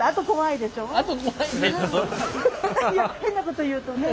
いや変なこと言うとね。